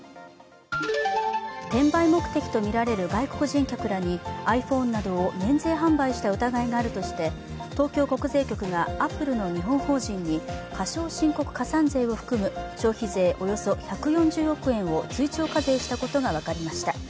転売目的とみられる外国人客らにｉＰｈｏｎｅなどを免税販売した疑いがあるとして東京国税局がアップルの日本法人に過少申告加算税を含む消費税およそ１４０億円を追徴課税したことが分かりました。